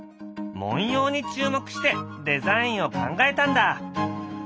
文様に注目してデザインを考えたんだ。